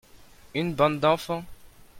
Une bande d'enfants.